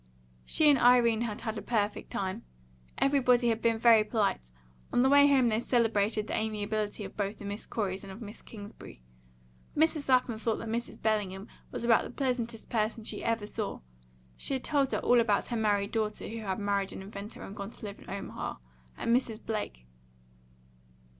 She and Irene had had a perfect time. Everybody had been very polite, on the way home they celebrated the amiability of both the Miss Coreys and of Miss Kingsbury. Mrs. Lapham thought that Mrs. Bellingham was about the pleasantest person she ever saw; she had told her all about her married daughter who had married an inventor and gone to live in Omaha a Mrs. Blake.